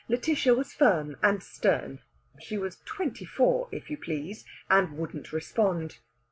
Lætitia was firm and stern (she was twenty four, if you please!), and wouldn't respond.